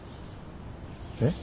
えっ？